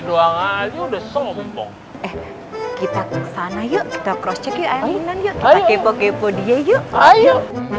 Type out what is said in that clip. doang aja udah sombong kita ke sana yuk kita cross check yuk ayo kepo kepo dia yuk ayo